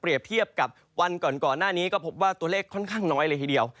เทียบกับวันก่อนหน้านี้ก็พบว่าตัวเลขค่อนข้างน้อยเลยทีเดียว